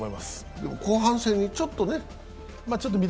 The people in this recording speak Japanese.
でも後半戦にちょっとね。